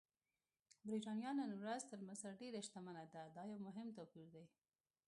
برېټانیا نن ورځ تر مصر ډېره شتمنه ده، دا یو مهم توپیر دی.